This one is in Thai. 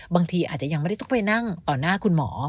บางทีอาจจะยังไม่ได้ต้องไปนั่งต่อหน้าคุณหมอ